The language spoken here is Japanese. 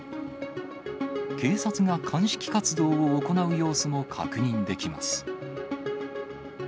警察が鑑識活動を行う様子も確認できます。